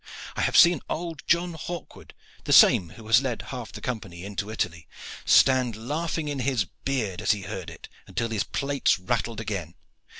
I have seen old John Hawkwood, the same who has led half the Company into Italy, stand laughing in his beard as he heard it, until his plates rattled again.